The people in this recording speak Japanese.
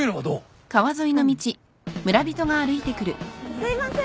すいません。